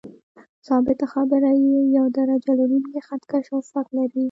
ثابته برخه یې یو درجه لرونکی خط کش او فک لري.